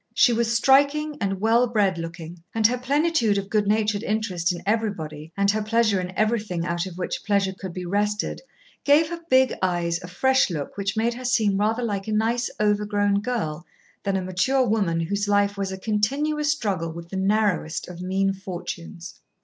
She was striking and well bred looking, and her plenitude of good natured interest in everybody, and her pleasure in everything out of which pleasure could be wrested, gave her big eyes a fresh look which made her seem rather like a nice overgrown girl than a mature woman whose life was a continuous struggle with the narrowest of mean fortunes.